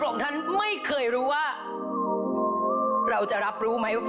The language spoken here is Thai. ของท่านได้เสด็จเข้ามาอยู่ในความทรงจำของคน๖๗๐ล้านคนค่ะทุกท่าน